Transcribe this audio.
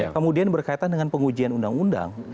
kemudian berkaitan dengan pengujian undang undang